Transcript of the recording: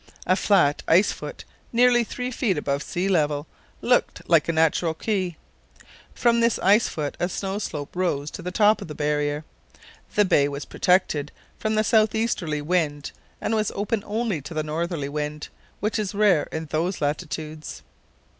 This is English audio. A flat ice foot nearly three feet above sea level looked like a natural quay. From this ice foot a snow slope rose to the top of the barrier. The bay was protected from the south easterly wind and was open only to the northerly wind, which is rare in those latitudes.